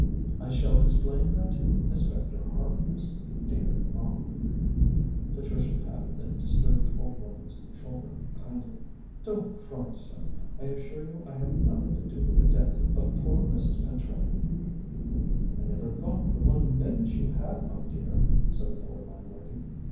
"I shall explain that to Inspector Harkness. Dear Ma," Patricia patted the disturbed old woman's shoulder kindly, "don't cry so. I assure you I have nothing to do with the death of poor Mrs. Pentreddle." "I never thought for one minute you had, my dear," said the poor landlady.